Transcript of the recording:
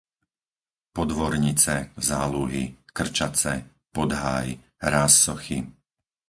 Podvornice, Záluhy, Krčace, Podháj, Rázsochy